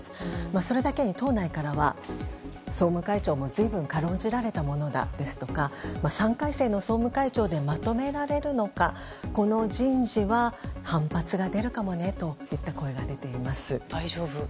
それだけに党内からは総務会長も随分軽んじられたものだ、ですとか３回生の総務会長でまとめられるのか、この人事は反発が出るかもねといった声が出ています。